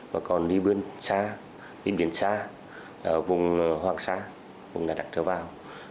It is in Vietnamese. mà còn đi biển xa đi biển xa vùng hoàng xa cũng đã đặt ra vào